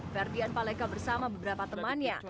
ferdian paleka bersama beberapa temannya